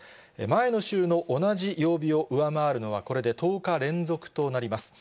前の週の同じ曜日を上回るのはこれで１０日連続となります。